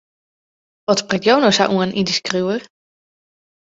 Wat sprekt jo no sa oan yn dy skriuwer?